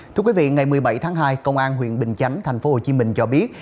thưa quý vị ngày một mươi bảy tháng hai công an huyện bình chánh thành phố hồ chí minh cho biết